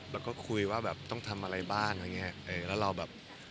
แล้วก็คุยว่าแบบต้องทำอะไรบ้างอะไรอย่างเงี้ยแล้วเราแบบ